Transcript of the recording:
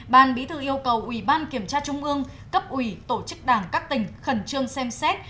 ban bí thư yêu cầu ủy ban kiểm tra trung ương cấp ủy tổ chức đảng các tỉnh khẩn trương xem xét